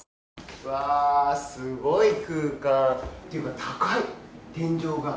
うわー、すごい空間、っていうか高い、天井が。